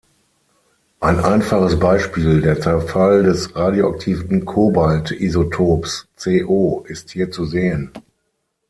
Ein einfaches Beispiel, der Zerfall des radioaktiven Cobalt-Isotops Co, ist hier zu sehen.